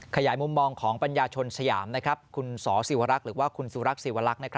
ขยายมุมมองของปัญญาชนสยามคุณสศิวรักษ์หรือว่าคุณสุรักษีวรักษ์